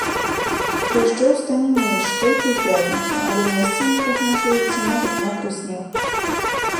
Дажджоў стане менш толькі ў пятніцу, але месцамі прагназуецца нават мокры снег.